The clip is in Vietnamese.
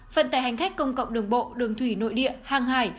phần tại hành khách công cộng đường bộ đường thủy nội địa hàng hải